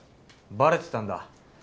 バレてたんだ。